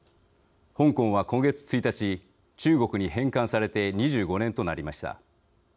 香港は今月１日中国に返還されて２５年となりました。